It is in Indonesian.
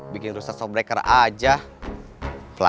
cianku pasti anjur hero